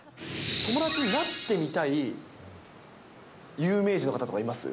友達になってみたい有名人の方とかいます？